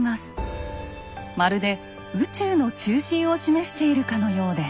まるで宇宙の中心を示しているかのようです。